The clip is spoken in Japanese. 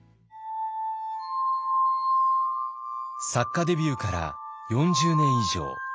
作家デビューから４０年以上。